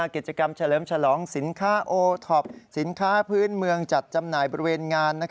กิจกรรมเฉลิมฉลองสินค้าโอท็อปสินค้าพื้นเมืองจัดจำหน่ายบริเวณงาน